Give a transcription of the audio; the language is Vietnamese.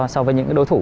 so với những đối thủ